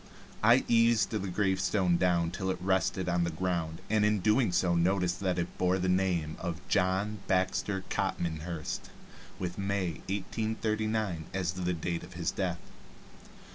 I eased the gravestone down till it rested on the ground, and in doing so noticed that it bore the name of "John Baxter Copmanhurst," with "May, 1839," as the date of his death.